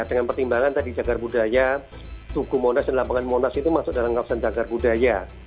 dengan pertimbangan tadi cagar budaya tugu monas dan lapangan monas itu masuk dalam kawasan jagar budaya